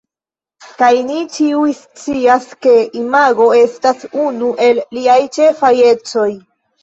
Kaj ni ĉiuj scias, ke imago estas unu el liaj ĉefaj ecoj.